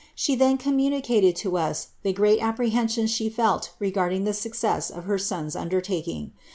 She then commn nicQted to us the great apprehensions she felt regarding (he success of her son's undertaking.